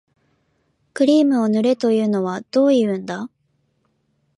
クリームを塗れというのはどういうんだ